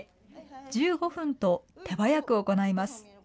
１５分と手早く行います。